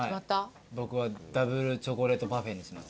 僕はダブルチョコレートパフェにします。